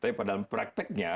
tapi pada prakteknya